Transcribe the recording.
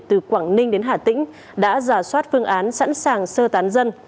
từ quảng ninh đến hà tĩnh đã giả soát phương án sẵn sàng sơ tán dân